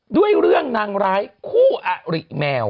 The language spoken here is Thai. ด้วยเรื่องนางร้ายคู่อริแมว